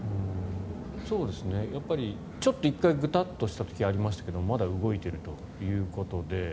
やっぱりちょっと１回ぐたっとした時がありましたがまだ動いているということで。